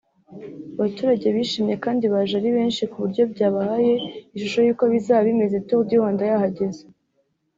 abaturage bishimye kandi baje ari benshi ku buryo byabahaye ishusho y’uko bizaba bimeze Tour du Rwanda yahageze